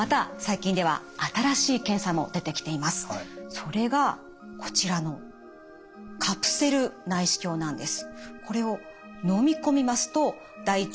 それがこちらのカプセル内視鏡なんです。